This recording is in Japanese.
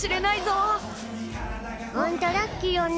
ホントラッキーよね